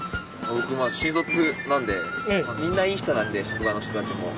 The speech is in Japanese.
僕新卒なんでみんないい人なんで職場の人たちも。